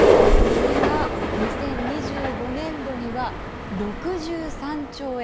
それが、２０２５年度には６３兆円